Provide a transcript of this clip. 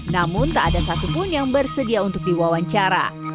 namun tak ada satupun yang bersedia untuk diwawancara